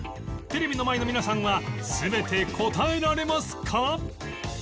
テレビの前の皆さんは全て答えられますか？